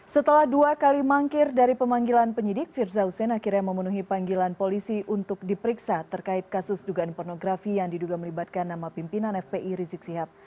setelah dua kali mangkir dari pemanggilan penyidik firza hussein akhirnya memenuhi panggilan polisi untuk diperiksa terkait kasus dugaan pornografi yang diduga melibatkan nama pimpinan fpi rizik sihab